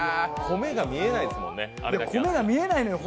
米が見えないですもんね。